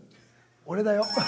俺だよ